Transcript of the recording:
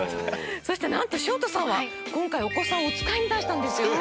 そしてなんと潮田さんは今回お子さんをおつかいに出したんですよね。